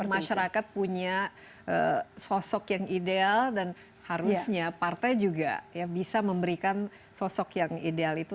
masyarakat punya sosok yang ideal dan harusnya partai juga bisa memberikan sosok yang ideal itu